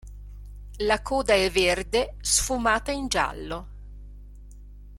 La coda è verde sfumata in giallo.